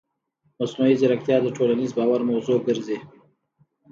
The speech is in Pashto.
مصنوعي ځیرکتیا د ټولنیز باور موضوع ګرځي.